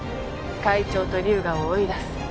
会長と龍河を追い出す。